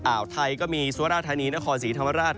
อ่าวไทยก็มีสุราธานีนครศรีธรรมราช